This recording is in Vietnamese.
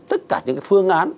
tất cả những cái phương án